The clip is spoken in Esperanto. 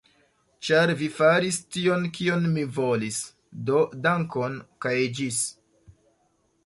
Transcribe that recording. Ĉar vi faris tion, kion mi volis do dankon, kaj ĝis!